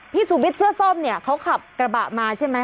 สุวิทย์เสื้อส้มเนี่ยเขาขับกระบะมาใช่ไหม